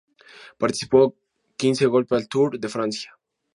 Participó quince golpe al Tour de Francia.